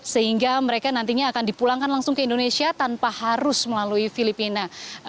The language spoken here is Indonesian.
sehingga mereka nantinya akan dipulangkan langsung ke indonesia tanpa harus melalui filipina